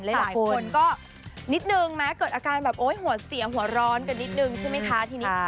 หลายคนก็นิดนึงแม้เกิดอาการแบบโอ๊ยหัวเสียงหัวร้อนกันนิดนึงใช่ไหมคะทีนี้